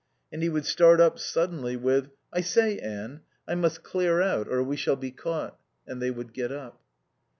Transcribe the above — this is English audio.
And he would start up suddenly with, "I say, Anne, I must clear out or we shall be caught." And they would get up.